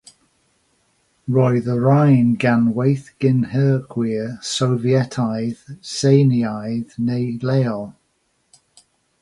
Roedd y rhain gan weithgynhyrchwyr Sofietaidd, Tsieineaidd neu leol.